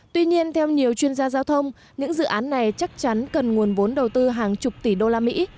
tuy nhiên theo nhiều chuyên gia giao thông những dự án này chắc chắn cần nguồn vốn đầu tư hàng chục tỷ usd